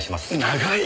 長い！